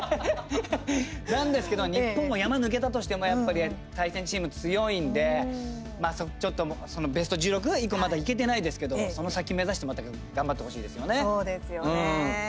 なんですけど日本も山抜けたとしてもやっぱり対戦チーム強いんでベスト１６まだいけてないですけどその先目指してまた頑張ってほしいですよね。